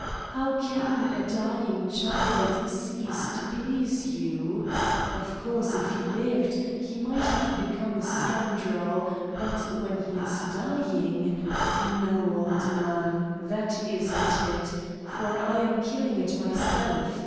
') How can a dying child cease to please you? Of course, if he lived, he might have become a scoundrel, but when he is dying No, old man, that isn't it. For I am killing it myself.